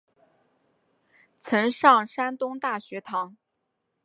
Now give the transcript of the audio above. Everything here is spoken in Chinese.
曾上山东大学堂。